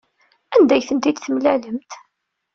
Anda ay ten-id-temlalemt?